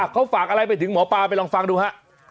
เขาฝากอะไรไปถึงหมอปลาไปลองฟังดูฮะ